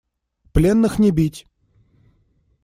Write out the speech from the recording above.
Пленных не бить!